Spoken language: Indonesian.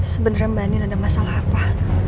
sebenernya mbak nino ada masalah apa